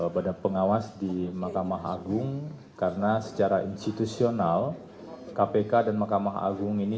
badan pengawas di mahkamah agung karena secara institusional kpk dan mahkamah agung ini